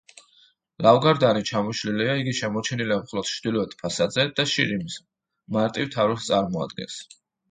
ლავგარდანი ჩამოშლილია იგი შემორჩენილია მხოლოდ ჩრდილოეთ ფასადზე და შირიმის, მარტივ თაროს წარმოადგენს.